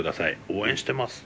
応援してます」。